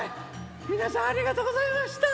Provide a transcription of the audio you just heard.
みなさんありがとうございました！